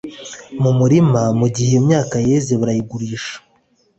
Mu murima mu gihe iyo myaka yeze barayigurisha